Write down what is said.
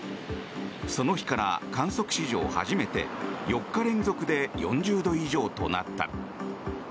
その日から観測史上初めて４日連続で４０度以上となった。